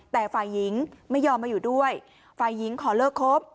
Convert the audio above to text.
แต่ฝ่ายหญิงไม่ยอมมาอยู่ด้วยฝ่ายหญิงขอเลิกคบ